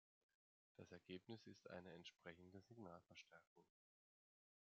Das Ergebnis ist eine entsprechende Signalverstärkung.